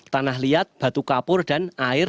tanah liat batu kapur dan air